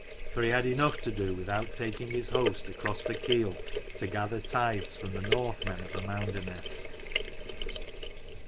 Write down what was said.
For he had enough to do without taking his host across the Keel to gather tithes from the Northmen of Amounderness.